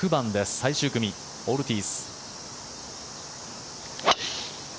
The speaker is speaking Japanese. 最終組オルティーズ。